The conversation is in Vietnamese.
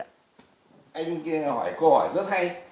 anh hỏi câu hỏi rất hay